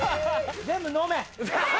全部飲め！